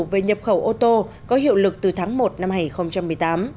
về nhập khẩu ô tô có hiệu lực từ tháng một năm hai nghìn một mươi tám